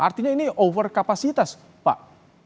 artinya ini over kapasitas pak